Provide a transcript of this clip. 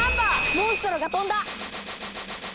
モンストロが飛んだ！